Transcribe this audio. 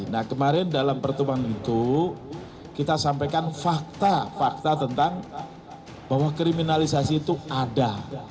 nah kemarin dalam pertemuan itu kita sampaikan fakta fakta tentang bahwa kriminalisasi itu ada